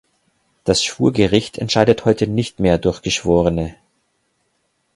Das Schwurgericht entscheidet heute nicht mehr durch Geschworene.